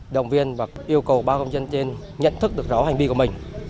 động viên và yêu cầu ba công dân trên nhận thức được rõ hành vi của mình